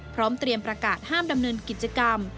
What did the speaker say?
พร้อมเตรียมประกาศห้ามดำเนินกิจกรรม